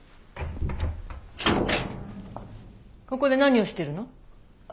ここで何をしてるの？